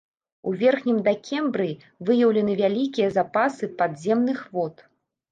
У верхнім дакембрыі выяўлены вялікія запасы падземных вод.